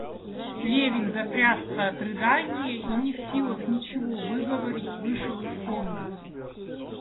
Левин затрясся от рыдания и, не в силах ничего выговорить, вышел из комнаты.